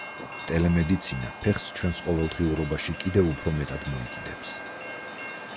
ტელემედიცინა ფეხს ჩვენს ყოველდღიურობაში კიდევ უფრო მეტად მოიკიდებს.